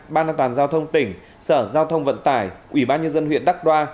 ban đặc đoàn giao thông tỉnh sở giao thông vận tải ủy ban nhân dân huyện đắc đoa